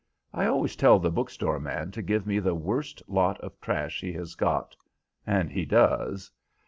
I always tell the book store man to give me the worst lot of trash he has got, and he does.